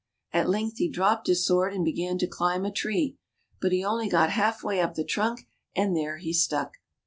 At length he dropped his sword and began to climb a tree ; but he only got half way up the trunk, and there he stuck.